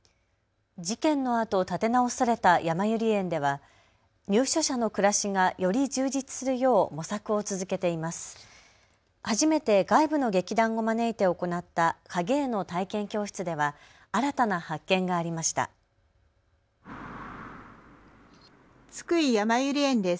事件のあと建て直されたやまゆり園では入所者の暮らしがより充実するよう模索を続けています。